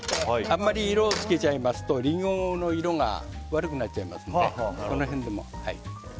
あんまり色を付けちゃいますとリンゴの色が悪くなっちゃいますので。